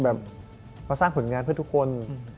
มาสร้างผลงานเพื่อทุกคน